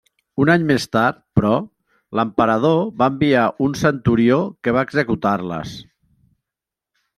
Un any més tard, però, l'emperador va enviar un centurió que va executar-les.